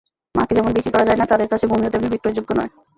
মাকে যেমন বিক্রি করা যায় না, তাঁদের কাছে ভূমিও তেমনি বিক্রয়যোগ্য নয়।